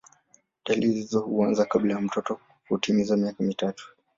Dalili hizo huanza kabla ya mtoto kutimiza miaka mitatu.